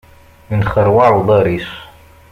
Inxeṛwaɛ uḍaṛ-is.